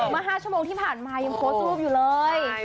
๕ชั่วโมงที่ผ่านมายังโพสต์รูปอยู่เลย